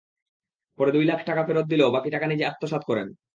পরে দুই লাখ টাকা ফেরত দিলেও বাকি টাকা নিজে আত্মসাৎ করেন।